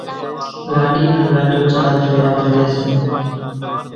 لاڏو انين لاڏِي چار ڦيرا ڦريَ سي۔